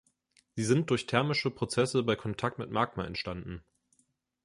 Sie sind durch thermische Prozesse bei Kontakt mit Magma entstanden.